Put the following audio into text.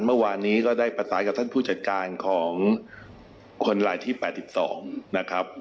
เมื่อวานนี้ก็ได้ประสานกับท่านผู้จัดการของคนรายที่๘๒นะครับ